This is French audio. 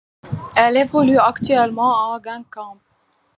Elle évolue actuellement à Guingamp.